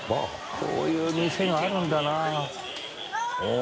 こういう店があるんだなおっ！